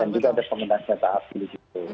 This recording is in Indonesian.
dan juga ada pemerintah siapa asli di situ